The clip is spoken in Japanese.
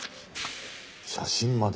写真まで。